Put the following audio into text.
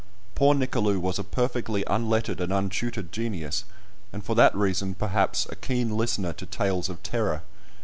Poor Nicolou was a perfectly unlettered and untutored genius, and for that reason, perhaps, a keen listener to tales of terror.